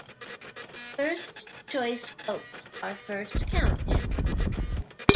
First choice votes are first counted.